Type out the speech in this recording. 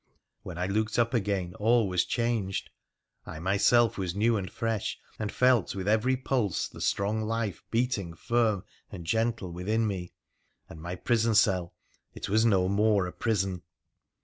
When I looked up again all was changed. I myself was new and fresh, and felt with every pulse the strong life beating firm and gentle within me ; and my prison cell— it was no more a prison